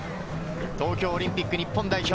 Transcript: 東京オリンピック日本代表。